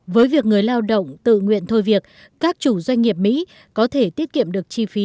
với việc người lao động tự nguyện thôi việc các chủ doanh nghiệp mỹ có thể tiết kiệm được chi phí